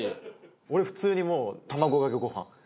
俺普通にもう卵かけご飯。